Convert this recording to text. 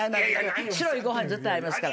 白いご飯絶対合いますから。